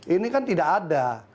ini kan tidak ada